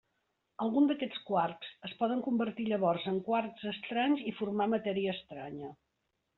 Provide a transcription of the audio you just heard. Alguns d'aquests quarks es poden convertir llavors en quarks estranys i formar matèria estranya.